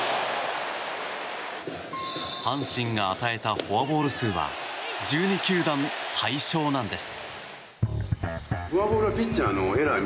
阪神が与えたフォアボール数は１２球団最少なんです。